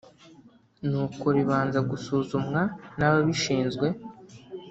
ni uko ribanza gusuzumwa n’ababishinzwe